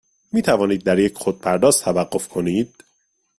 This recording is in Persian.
می توانید در یک خودپرداز توقف کنید؟